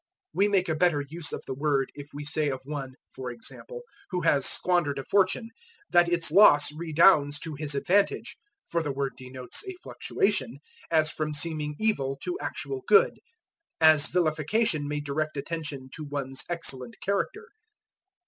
We make a better use of the word if we say of one (for example) who has squandered a fortune, that its loss redounds to his advantage, for the word denotes a fluctuation, as from seeming evil to actual good; as villification may direct attention to one's excellent character.